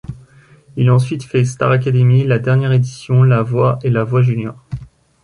Il ensuite fait Star Académie, la dernière édition, La Voix et La Voix Junior..